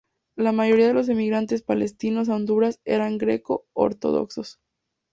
La mayoría de los emigrantes palestinos a Honduras eran greco-ortodoxos.